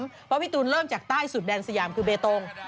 เพราะพี่ตูนเริ่มจากใต้สุดแดนสยามคือเบตง